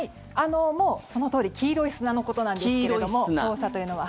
もうそのとおり黄色い砂のことなんですけれども黄砂というのは。